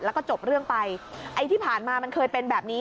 แล้วก็จบเรื่องไปไอ้ที่ผ่านมามันเคยเป็นแบบนี้